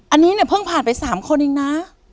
อันนี้เนี่ยเพิ่งผ่านไป๓คนเองนะ